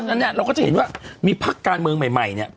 นั้นเนี่ยเราก็จะเห็นว่ามีพักการเมืองใหม่เนี่ย